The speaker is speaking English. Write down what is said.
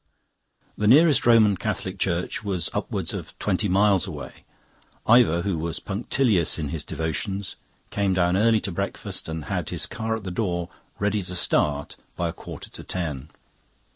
The nearest Roman Catholic church was upwards of twenty miles away. Ivor, who was punctilious in his devotions, came down early to breakfast and had his car at the door, ready to start, by a quarter to ten.